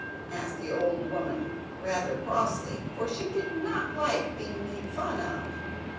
asked the old woman, rather crossly, for she did not like being made fun of.